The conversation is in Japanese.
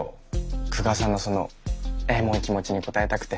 久我さんのそのエモい気持ちに応えたくて。